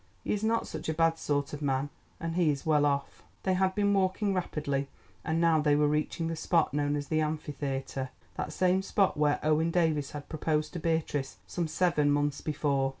He is not such a bad sort of man, and he is well off." They had been walking rapidly, and now they were reaching the spot known as the "Amphitheatre," that same spot where Owen Davies had proposed to Beatrice some seven months before.